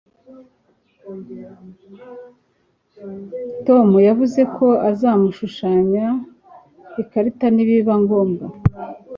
Tom yavuze ko azamushushanya ikarita nibiba ngombwa